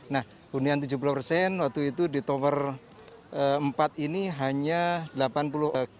nah hunian tujuh puluh persen waktu itu di tower empat ini hanya delapan puluh persen